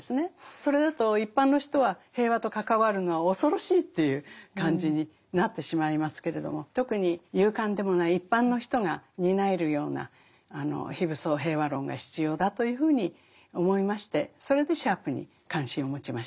それだと一般の人は平和と関わるのは恐ろしいという感じになってしまいますけれども特に勇敢でもない一般の人が担えるような非武装平和論が必要だというふうに思いましてそれでシャープに関心を持ちました。